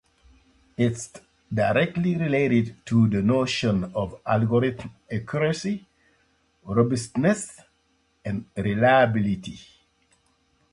It is directly related to the notion of algorithm accuracy, robustness, and reliability.